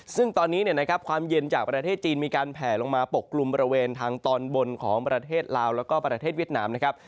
ซึ่งตอนนี้เนี่ยนะครับความเย็นจากประเทศจีนมีการแผลลงมาปกกลุ่มบริเวณทางตอนบนของประเทศลาวแล้วก็ประเทศเวียดนามนะครับ